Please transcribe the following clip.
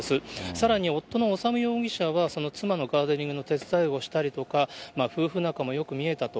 さらに夫の修容疑者は、その妻のガーデニングの手伝いをしたりとか、夫婦仲もよく見えたと。